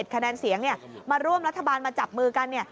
คะแนนเสียงมาร่วมรัฐบาลมาจับมือกัน